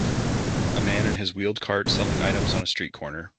A man and his wheeled cart selling items on a street corner.